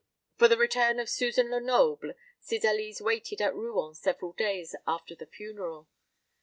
For the return of Susan Lenoble Cydalise waited at Rouen several days after the funeral.